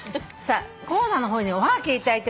コーナーの方におはがきいただいてます。